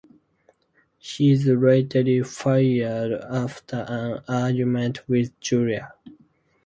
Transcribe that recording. He is later fired after an argument with Julia.